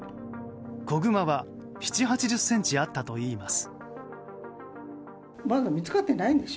子グマは７０８０ｃｍあったといいます。